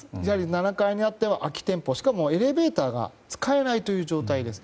７階は空き店舗でエレベーターが使えないという状態です。